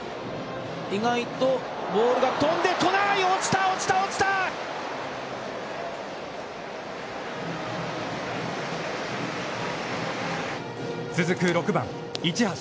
意外とボールが飛んでこない、落ちた落ちた落ちた！